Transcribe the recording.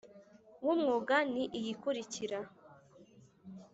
w umwuga ni iyi ikurikira